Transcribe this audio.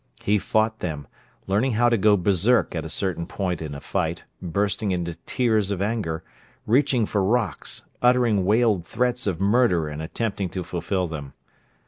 He fought them, learning how to go berserk at a certain point in a fight, bursting into tears of anger, reaching for rocks, uttering wailed threats of murder and attempting to fulfil them.